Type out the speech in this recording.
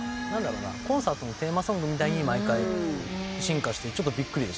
コンサートのテーマソングみたいに毎回進化してちょっとびっくりでした。